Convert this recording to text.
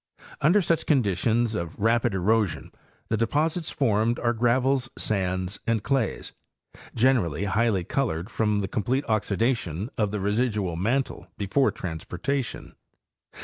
Under such conditions of rapid erosion the deposits formed are gravels, sands and clays, generally highly colored from the complete oxidation of the re sidual mantle before transportation.